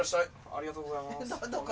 ありがとうございます。